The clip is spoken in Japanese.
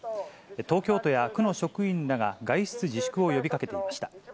東京都や区の職員らが外出自粛を呼びかけていました。